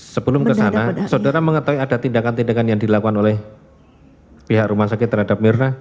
sebelum kesana saudara mengetahui ada tindakan tindakan yang dilakukan oleh pihak rumah sakit terhadap mirna